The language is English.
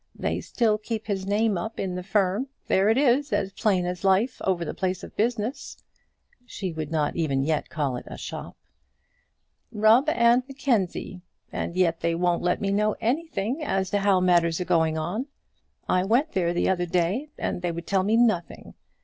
They still keep his name up in the firm. There it is as plain as life over the place of business" she would not even yet call it a shop "Rubb and Mackenzie; and yet they won't let me know anything as to how matters are going on. I went there the other day, and they would tell me nothing.